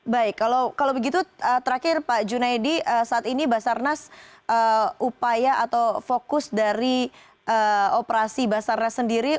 baik kalau begitu terakhir pak junaidi saat ini basarnas upaya atau fokus dari operasi basarnas sendiri